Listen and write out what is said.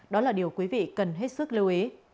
đó là điều quý vị cần hết sức lưu ý